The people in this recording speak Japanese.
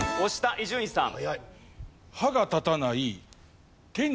伊集院さん。